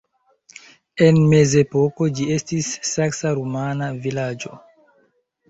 En mezepoko ĝi estis saksa-rumana vilaĝo.